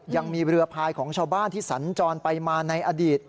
ยังมีเรือพายของชาวบ้านที่สัญจรไปมาในอดีต